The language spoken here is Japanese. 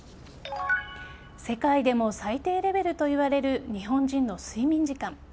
世界でも最低レベルといわれる日本人の睡眠時間。